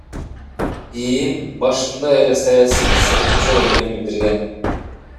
ИИМ башында эле саясий себеп жок экенин билдирген.